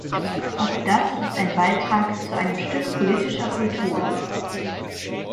Auch das ist ein Beitrag zu einem Stück politischer Kultur.